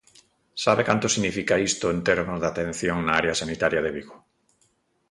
¿Sabe canto significa isto en termos de atención na área sanitaria de Vigo?